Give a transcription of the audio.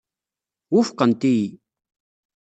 Wufqent-iyi.